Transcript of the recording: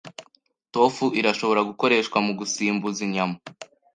Tofu irashobora gukoreshwa mugusimbuza inyama.